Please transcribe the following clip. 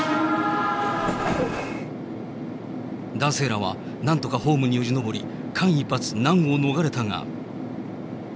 男性らはなんとかホームによじ登り、間一髪、難を逃れたが。